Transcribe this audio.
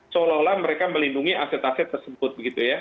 seolah olah mereka melindungi aset aset tersebut